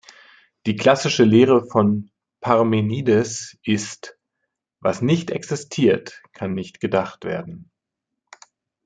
Die klassische Lehre von Parmenides ist: was nicht existiert, kann nicht gedacht werden.